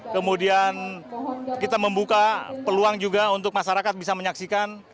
kemudian kita membuka peluang juga untuk masyarakat bisa menyaksikan